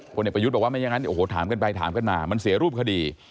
เด็กประยุทธ์บอกว่าไม่อย่างนั้นโอ้โหถามกันไปถามกันมามันเสียรูปคดี